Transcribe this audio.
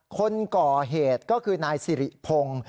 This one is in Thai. คนก่อเหตุก็คือนายสิริพงศ์